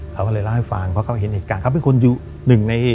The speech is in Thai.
เขาก็เลยเล่าให้ฟังเพราะเขาเห็นเหตุการณ์เขาเป็นคนอยู่หนึ่งใน